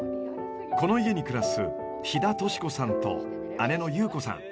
この家に暮らす飛弾稔子さんと姉の裕子さん。